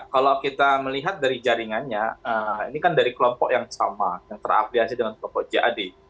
kalau kita melihat dari jaringannya ini kan dari kelompok yang sama yang terafliasi dengan kelompok jad